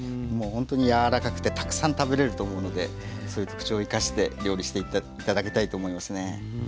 もうほんとに柔らかくてたくさん食べれると思うのでそういう特徴を生かして料理して頂きたいと思いますね。